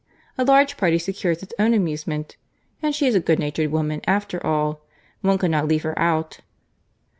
A large party secures its own amusement. And she is a good natured woman after all. One could not leave her out."